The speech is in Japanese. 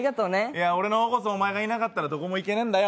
いや、俺の方こそ、お前がいなかったらどこにも行けねぇんだよ。